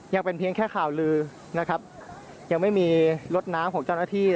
ยังเป็นเพียงแค่ข่าวลือนะครับยังไม่มีรถน้ำของเจ้าหน้าที่